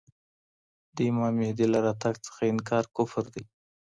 د امام مهدي له راتګ څخه انکار کفر دی.